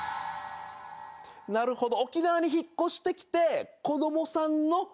なるほど。